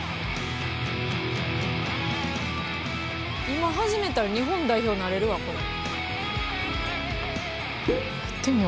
今始めたら日本代表になれるわこれ。